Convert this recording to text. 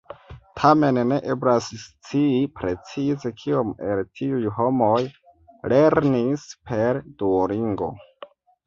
Tamen, ne eblas scii precize kiom el tiuj homoj lernis per Duolingo.